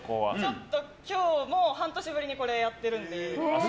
ちょっと今日、半年ぶりにこれやってるので。